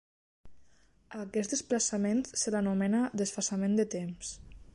A aquest desplaçament, se l'anomena desfasament de temps.